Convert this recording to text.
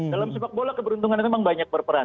dalam sepak bola keberuntungan itu memang banyak berperan